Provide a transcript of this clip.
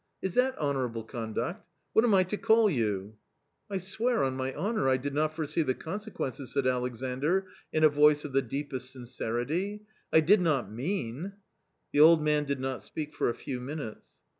Is that honourable conduct? What am I to call you ?"" I swear on my honour I did not foresee the consequences," said Alexandr, in a voice of the deepest sincerity ;" I did not mean " The old man did not speak for a few minutes.